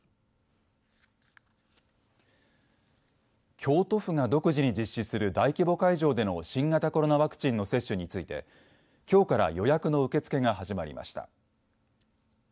京都府が独自に実施する大規模会場での新型コロナワクチンの接種についてきょうから予約の受け付けが始まりました。